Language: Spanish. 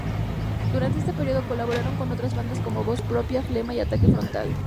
Durante ese período colaboraron con otras bandas, como Voz Propia, Flema y Ataque Frontal.